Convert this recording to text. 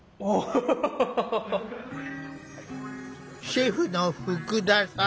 シェフの福田さん。